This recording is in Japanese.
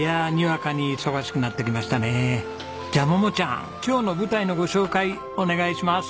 じゃあ桃ちゃん今日の舞台のご紹介お願いします。